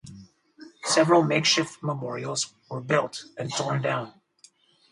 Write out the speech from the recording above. Several makeshift memorials were built and torn down.